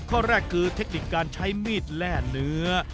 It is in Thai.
ข้อแรกคือเทคนิคการใช้มีดแร่เนื้อ